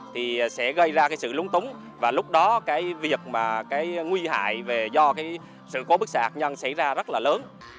thì sẽ gây ra cái sự lúng túng và lúc đó cái việc mà cái nguy hại do cái sự cố bức xạ hạt nhân xảy ra rất là lớn